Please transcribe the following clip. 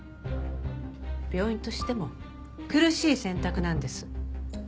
病院としても苦しい選択なんです。